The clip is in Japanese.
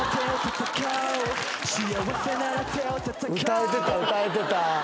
歌えてた歌えてた。